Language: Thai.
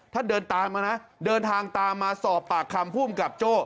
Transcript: เดินตามมานะเดินทางตามมาสอบปากคำภูมิกับโจ้